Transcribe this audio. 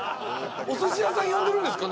お寿司屋さん呼んでるんですか？